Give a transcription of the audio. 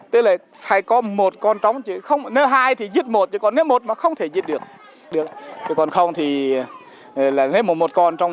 tức là phải có một con trống nếu hai thì giết một nếu một thì không thể giết được